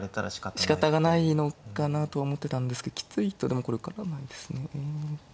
しかたがないのかなと思ってたんですけどきついとでもこれ受からないですね。